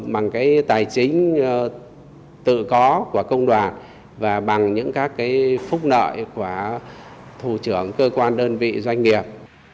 bằng tài chính tự có của công đoàn và bằng những phúc nợ của thủ trưởng cơ quan đơn vị doanh nghiệp